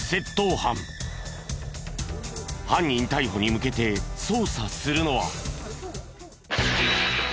犯人逮捕に向けて捜査するのは。